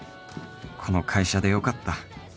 この会社でよかった